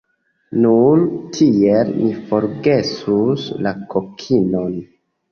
Nur tiel ni forgesus la kokinon.